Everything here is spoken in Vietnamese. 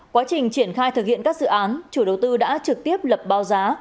quá trình triển khai thực hiện các dự án chủ đầu tư đã trực tiếp lập bao giá